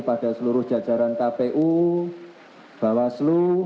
pada seluruh jajaran kpu bawaslu